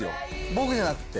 僕じゃなくて。